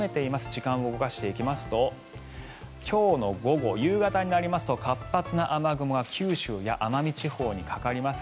時間を動かしていきますと今日の午後、夕方になりますと活発な雨雲が九州や奄美地方にかかります。